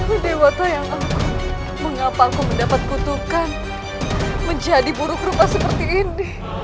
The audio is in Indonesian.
oh dewa tayang aku mengapa aku mendapat kutukan menjadi buruk rupa seperti ini